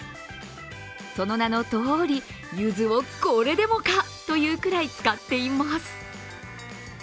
その名のとおり、ゆずをこれでもかというくらい使っています。